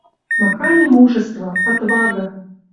Маханьы мужество, отвага